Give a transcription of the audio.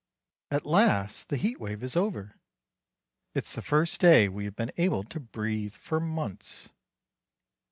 At last the heat wave is over. It's the first day we have been able to breathe for months.